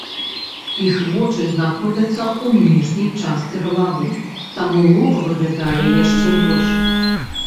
Іх вочы знаходзяцца ў ніжняй частцы галавы, таму лоб выглядае яшчэ больш.